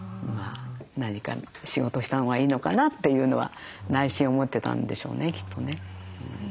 何か仕事をしたほうがいいのかなというのは内心思ってたんでしょうねきっとね。